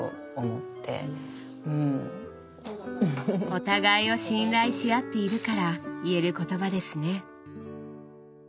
お互いを信頼しあっているから言える言葉ですね。